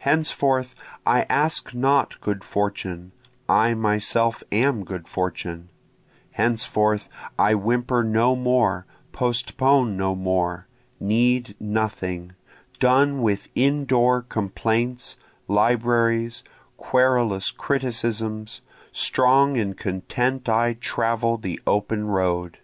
Henceforth I ask not good fortune, I myself am good fortune, Henceforth I whimper no more, postpone no more, need nothing, Done with indoor complaints, libraries, querulous criticisms, Strong and content I travel the open road.